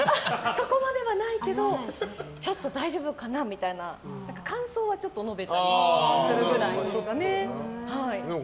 そこまではないけどちょっと大丈夫かなみたいな感想はちょっと述べたりするくらいですね。